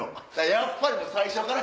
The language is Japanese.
やっぱり最初から。